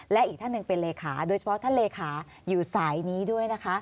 และอีกท่านหนึ่งเป็นเลขาโดยเฉพาะท่านเลขาอยู่สายนี้ด้วยนะคะ